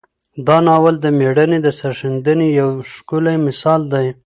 دا ناول د میړانې او سرښندنې یو ښکلی مثال دی.